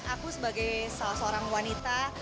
aku sebagai seorang wanita